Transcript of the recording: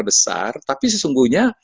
besar tapi sesungguhnya